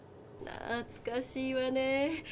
なつかしいわね。